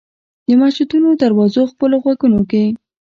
د مسجدونو دروازو خپلو غوږونو کې